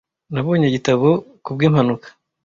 Nabonye igitabo kubwimpanuka.